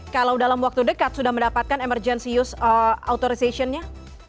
kalau dalam waktu dekat sudah mendapatkan emergency use authorization nya